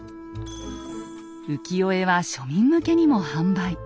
浮世絵は庶民向けにも販売。